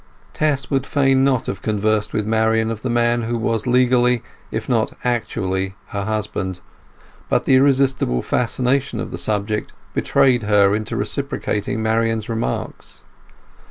Tess would fain not have conversed with Marian of the man who was legally, if not actually, her husband; but the irresistible fascination of the subject betrayed her into reciprocating Marian's remarks.